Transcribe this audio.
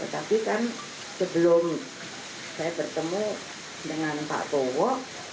tapi kan sebelum saya bertemu dengan pak prabowo